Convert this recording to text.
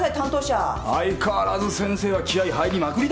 相変わらず先生は気合い入りまくりだなおい。